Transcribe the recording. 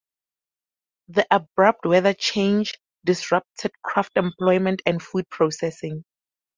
The abrupt weather change disrupted craft employment and food processing.